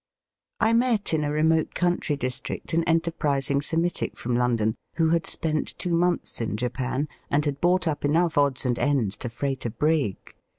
I met in a remote country district an enterprising Semitic from London who had spent two months in Japan and had bought up enough odds and ends to freight a brig.